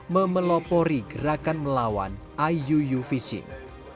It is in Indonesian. memelopori gerakan melawan iuu fishing